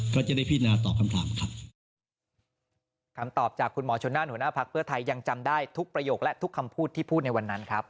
คำตอบจากคุณหมอชนนาหัวหน้าภักษ์เบื้อไทยยังจำได้ทุกประโยคและทุกคำพูดที่พูดในวันนั้นครับ